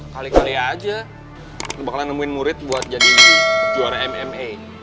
kali kali aja bakalan nemuin murid buat jadi juara mma